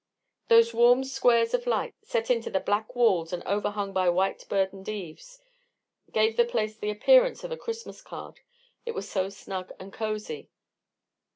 Those warm squares of light, set into the black walls and overhung by white burdened eaves, gave the place the appearance of a Christmas card, it was so snug and cozy.